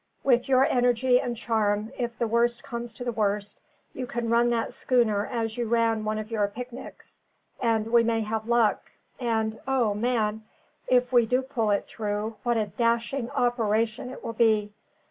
With your energy and charm, if the worst comes to the worst, you can run that schooner as you ran one of your picnics; and we may have luck. And, O, man! if we do pull it through, what a dashing operation it will be!